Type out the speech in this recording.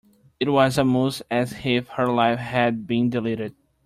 It was almost as if her life had been deleted.